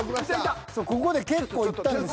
［そうここで結構いったんです］